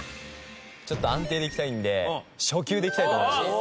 ちょっと安定でいきたいので初級でいきたいと思います。